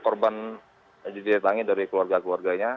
korban didatangi dari keluarga keluarganya